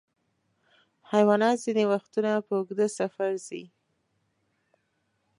حیوانات ځینې وختونه په اوږده سفر ځي.